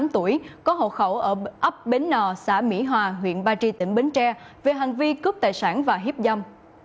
một mươi tám tuổi có hộ khẩu ở ấp bến nò xã mỹ hòa huyện ba tri tỉnh bến tre về hành vi cướp tài sản và hiếp dâm